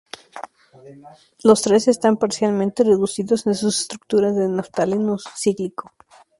Los tres están parcialmente reducidos en sus estructuras de naftaleno cíclico.